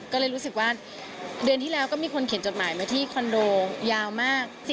ก็เลยรู้สึกว่าเดือนที่แล้วก็มีคนเขียนจดหมายมาที่คอนโดยาวมาก